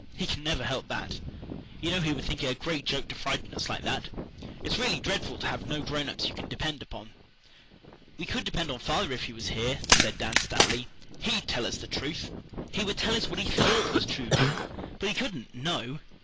He can never help that. You know he would think it a great joke to frighten us like this. It's really dreadful to have no grown ups you can depend on." "We could depend on father if he was here," said Dan stoutly. "HE'D tell us the truth." "He would tell us what he THOUGHT was true, Dan, but he couldn't KNOW.